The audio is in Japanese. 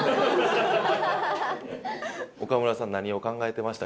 岡村さん何を考えてました？